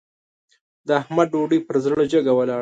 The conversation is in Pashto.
د احمد ډوډۍ پر زړه جګه ولاړه ده.